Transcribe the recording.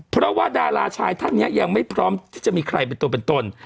เพราะว่าดาราชายท่านนี้ยังไม่พร้อมที่จะมีใครเป็นตัวเป็นตน